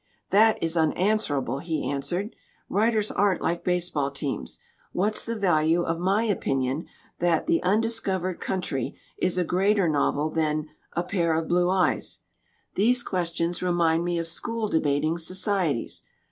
'' That is unanswerable !" he answered. '' Writers aren't like baseball teams. What's the value of my opinion that The Undiscovered Country is a 'greater' novel than A Pair of Blue Eyes? These questions remind me of school debating societies.